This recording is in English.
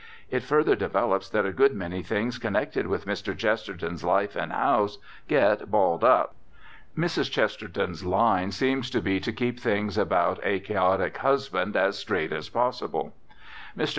It further develops that a good many things connected with Mr. Chesterton's life and house get balled up. Mrs. Chesterton's line seems to be to keep things about a chaotic husband as straight as possible. Mr.